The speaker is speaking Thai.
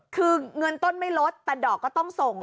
คือเงินต้นไม่ลดแต่ดอกก็ต้องส่ง